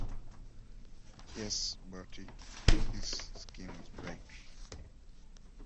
Yes, Bertie, this scheme is bright.